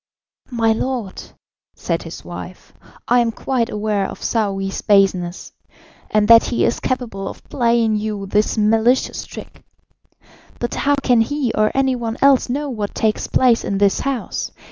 "My lord," said his wife, "I am quite aware of Saouy's baseness, and that he is capable of playing you this malicious trick. But how can he or any one else know what takes place in this house?